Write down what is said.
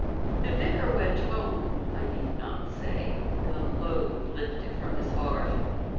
The vicar went home, I need not say, with a load lifted from his heart.